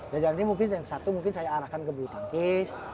jadi nanti mungkin yang satu saya arahkan ke butangkis